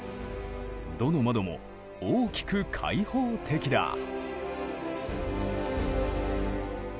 どの窓も大きく開放的だ。